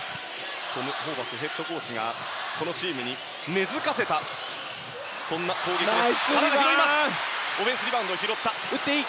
トム・ホーバスヘッドコーチがこのチームに根付かせたそんな攻撃です。